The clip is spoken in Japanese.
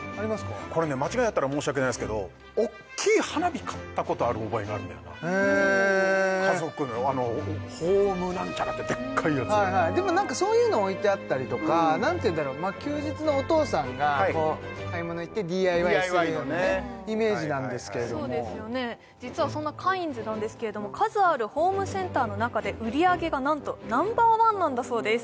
これね間違いだったら申し訳ないんですけどおっきい花火買ったことある覚えがあるんだよなへえ家族のホーム何ちゃらってでっかいやつはいはいでも何かそういうの置いてあったりとか何ていうんだろ休日のお父さんがこう買い物いってＤＩＹするようなイメージなんですけれども実はそんなカインズなんですけれども数あるホームセンターの中で売り上げがなんとナンバーワンなんだそうです